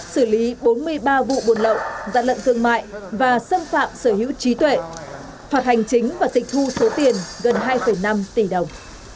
xử lý bốn mươi ba vụ buôn lậu gian lận thương mại và xâm phạm sở hữu trí tuệ phạt hành chính và tịch thu số tiền gần hai năm tỷ đồng